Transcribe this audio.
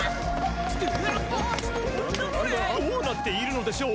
どうなっているのでしょう？